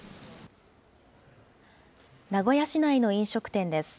名古屋市内の飲食店です。